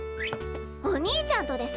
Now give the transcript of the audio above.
お兄ちゃんとです！